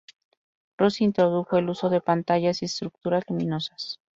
Rossi introdujo el uso de pantallas y estructuras luminosas.